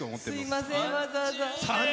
すみません、わざわざ。